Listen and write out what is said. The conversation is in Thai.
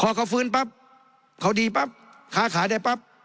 พอเขาฟื้นปั๊บเขาดีปั๊บค้าขายได้ปั๊บ